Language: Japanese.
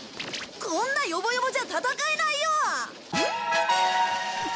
こんなヨボヨボじゃ戦えないよ！